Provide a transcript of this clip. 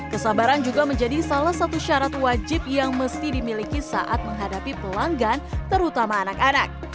kesabaran juga menjadi salah satu syarat wajib yang mesti dimiliki saat menghadapi pelanggan terutama anak anak